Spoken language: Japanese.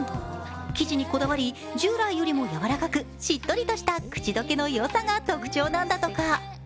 生地にこだわり従来よりもやわらかく、しっとりとした口溶けのよさが特徴なんだとか。